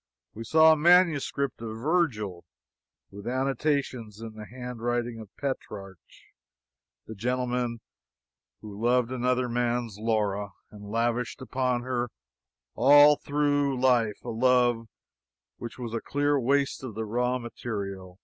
We saw a manuscript of Virgil, with annotations in the handwriting of Petrarch, the gentleman who loved another man's Laura, and lavished upon her all through life a love which was a clear waste of the raw material.